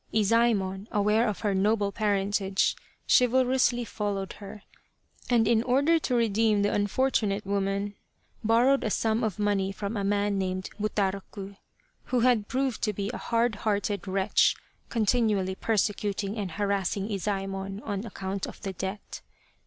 Izsemon, aware of her noble parentage, chivalrously followed her, and in order to redeem the unfortunate woman borrowed a sum of money from a man named Buta roku, who had proved to be a hard hearted wretch, continually persecuting and harassing Izsemon on account of the debt.